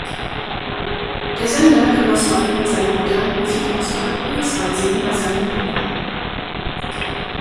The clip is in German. Der Sender genoss aufgrund seiner modernen Musikauswahl hohes Ansehen bei seinen Hörern.